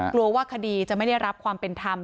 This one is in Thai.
กลัวว่าคดีจะไม่ได้รับความเป็นธรรม